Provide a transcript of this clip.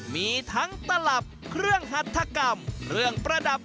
มีทั้งตลับเครื่องหัฐกรรมเครื่องประดับ